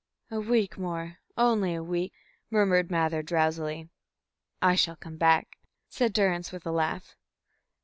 "A week more only a week," murmured Mather, drowsily. "I shall come back," said Durrance, with a laugh.